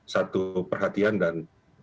satu perhatian dan